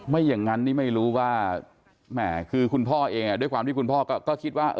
ไม่อย่างนั้นนี่ไม่รู้ว่าแหม่คือคุณพ่อเองด้วยความที่คุณพ่อก็คิดว่า